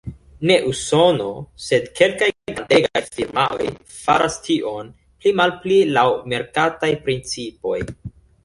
Ne Usono, sed kelkaj grandegaj firmaoj faras tion, pli-malpli laŭ merkataj principoj.